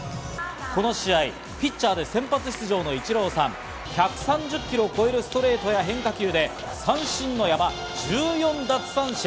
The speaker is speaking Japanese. この試合、ピッチャーで先発のイチローさん、１３０キロを超えるストレートや、変化球で三振の山、１４奪三振。